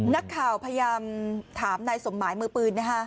นักข่าวพยายามถามนายสมหมายมือปืนนะคะ